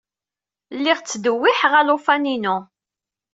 Lliɣ ttdewwiḥeɣ alufan-inu.